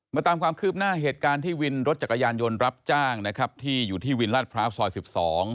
ตามความคืบหน้าเหตุการณ์ที่วินรถจักรยานยนต์รับจ้างนะครับที่อยู่ที่วินลาดพร้าวซอย๑๒